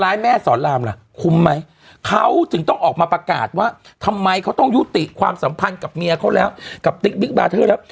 แม่สอนรามล่ะคุ้มไหมเขาถึงต้องออกมาประกาศว่าทำไมเขาต้องยุติความสัมพันธ์กับเมียเขาแล้วกับติ๊กบิ๊กบาร์เทอร์แล้ว